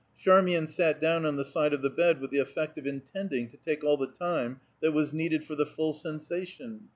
Charmian sat down on the side of the bed with the effect of intending to take all the time that was needed for the full sensation.